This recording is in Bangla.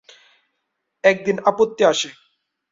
একদিন আপত্তি আসে।